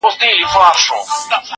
هغه وويل چي کار مهم دي،